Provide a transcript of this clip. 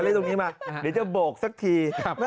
เดี๋ยวจะโบกซักที